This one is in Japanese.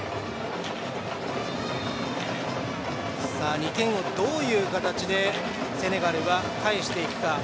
２点をどういう形でセネガルは返していくか。